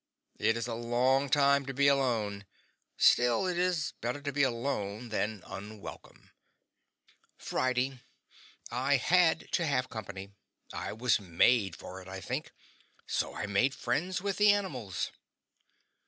It is a long time to be alone; still, it is better to be alone than unwelcome. FRIDAY I HAD to have company I was made for it, I think so I made friends with the animals.